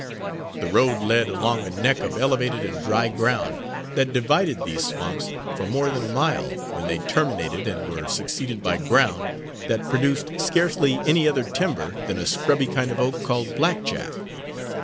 The road led along a neck of elevated and dry ground, that divided these swamps for more than a mile, when they terminated, and were succeeded by ground that produced scarcely any other timber than a scrubby kind of oak, called black jack.